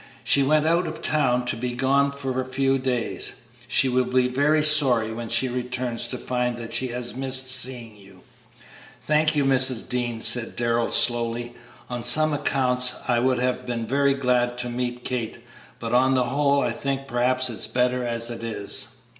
She went out of town, to be gone for a few days. She will be very sorry when she returns to find that she has missed seeing you." "Thank you, Mrs. Dean," said Darrell, slowly; "on some accounts I would have been very glad to meet Kate; but on the whole I think perhaps it is better as it is."